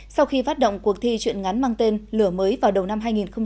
sau khi phát động cuộc thi chuyện ngắn mang tên lửa mới vào đầu năm hai nghìn hai mươi